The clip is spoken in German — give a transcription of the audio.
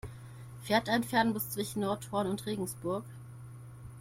Fährt ein Fernbus zwischen Nordhorn und Regensburg?